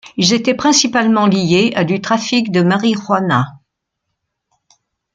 Ils étaient principalement liés à du trafic de marijuana.